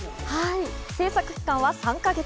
制作期間は３か月。